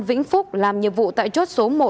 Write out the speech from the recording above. vĩnh phúc làm nhiệm vụ tại chốt số một